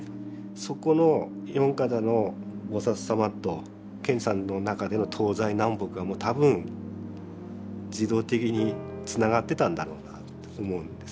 そこの四方の菩薩様と賢治さんの中での東西南北がもう多分自動的につながってたんだろうなと思うんです。